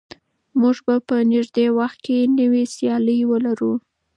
موږ به په نږدې وخت کې نوې سیالۍ ولرو.